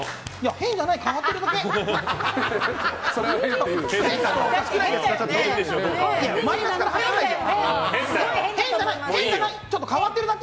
変じゃない、変わってるだけ！